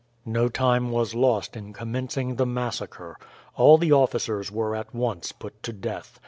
No time was lost in commencing the massacre. All the officers were at once put to death.